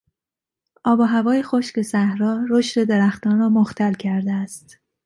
آب و هوای خشک صحرا رشد درختان را مختل کرده است.